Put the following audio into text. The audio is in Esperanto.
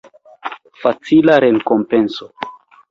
Facila rekompenco.